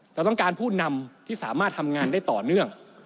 เราต้องการผู้นำที่สามารถทำงานได้ต่อเนื่อง